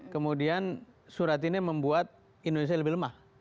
kemudian surat ini membuat indonesia lebih lemah